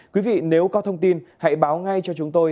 quý vị nếu có thông tin hãy báo ngay cho chúng tôi